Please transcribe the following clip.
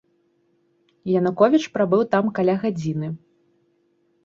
Януковіч прабыў там каля гадзіны.